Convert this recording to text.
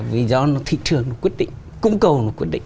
vì do thị trường quyết định cung cầu nó quyết định